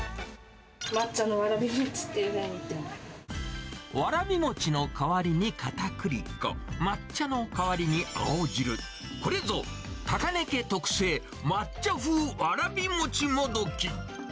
抹茶のわらび餅っていうふうわらび餅の代わりにかたくり粉、抹茶の代わりに青汁、これぞ、高根家特製、抹茶風わらび餅もどき。